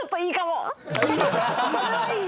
それはいい。